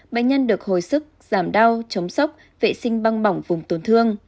bệnh nhân được hồi sức giảm đau chống sốc vệ sinh băng bỏng vùng tổn thương